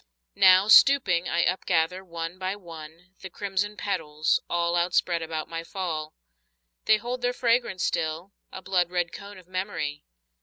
Now, stooping, I upgather, one by one, The crimson petals, all Outspread about my fall. They hold their fragrance still, a blood red cone Of memory.